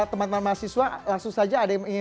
teman teman mahasiswa langsung saja ada yang ingin